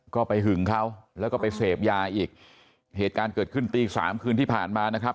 ก็ไปหึงเขาแล้วก็ไปเสพยาอีกเหตุการณ์เกิดขึ้นตีสามคืนที่ผ่านมานะครับ